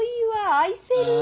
愛せる。